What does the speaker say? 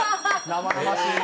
生々しい！